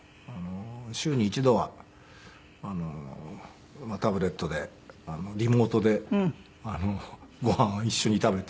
週に一度はタブレットでリモートでご飯を一緒に食べて。